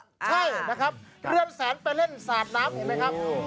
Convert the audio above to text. ใช่นะครับเรือนแสนไปเล่นสาดน้ำเห็นไหมครับ